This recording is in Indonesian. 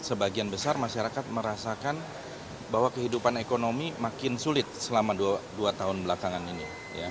sebagian besar masyarakat merasakan bahwa kehidupan ekonomi makin sulit selama dua tahun belakangan ini